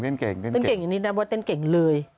เต้นเก่งอย่างนี้แต่ว่าเต้นเก่งเลย